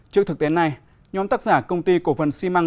trước thực tế này nhóm tác giả công ty cổ phần xi măng